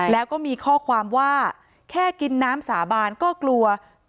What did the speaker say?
แล้วก็มีข้อความว่าแค่กินน้ำสาบานก็กลัว